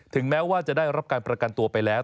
แม้ว่าจะได้รับการประกันตัวไปแล้ว